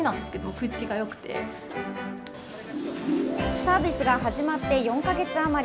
サービスが始まって４か月余り。